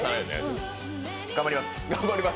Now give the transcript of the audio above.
頑張ります。